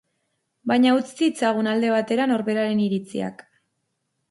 Baina utz ditzagun alde batera norberaren iritziak.